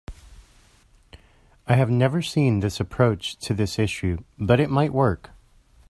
I have never seen this approach to this issue, but it might work.